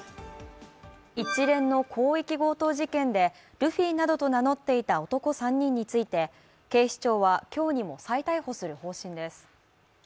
一連の広域強盗事件でルフィなどと名乗っていた男３人について、警視庁は今日にも再逮捕する方針です。